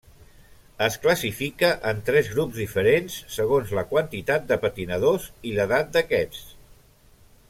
Es classifica en tres grups diferents segons la quantitat de patinadors i l'edat d'aquests.